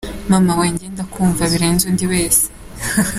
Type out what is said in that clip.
Mama we nge ndakumva birenze undi wese.